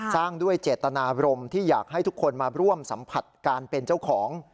สร้างด้วยเจตนารมณ์ที่อยากให้ทุกคนมาร่วมสัมผัสการเป็นเจ้าของ